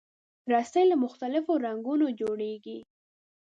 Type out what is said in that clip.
رسۍ له مختلفو رنګونو جوړېږي.